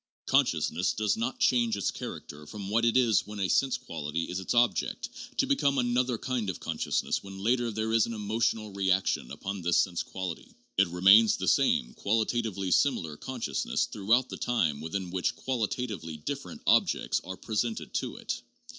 Consciousness does not change its character from what it is when a sense quality is its object, to become another kind of consciousness when later there is an emotional reaction upon this sense quality. It remains the same qualitatively similar conscious ness throughout the time within which qualitatively different objects are presented to it.